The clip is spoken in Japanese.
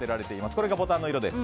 これがボタンの色です。